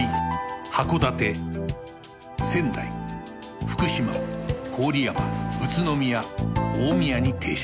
函館仙台福島郡山宇都宮大宮に停車